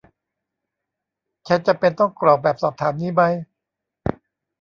ฉันจำเป็นต้องกรอกแบบสอบถามนี้มั้ย